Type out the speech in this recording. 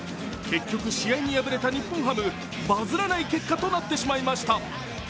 結局、試合に敗れた日本ハム、バズらない結果になりました。